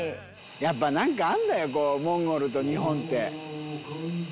やっぱ何かあるんだよモンゴルと日本って。